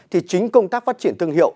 thì chính công tác phát triển thương hiệu